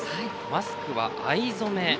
マスクは藍染め。